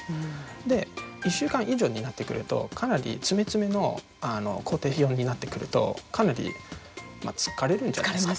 で１週間以上になってくるとかなり詰め詰めの行程表になってくるとかなり疲れるんじゃないですか。